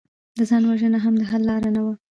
د ځان وژنه هم د حل لاره نه وه